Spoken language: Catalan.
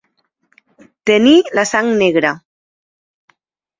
Tenir la sang negra.